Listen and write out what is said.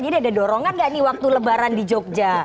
jadi ada dorongan gak nih waktu lebaran di jogja